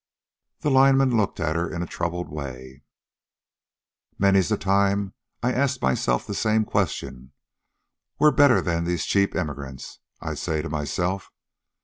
The lineman looked at her in a troubled way. "Many's the time I've asked myself that same question. 'We're better'n these cheap emigrants,' I'd say to myself.